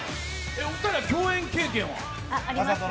お二人は共演経験は？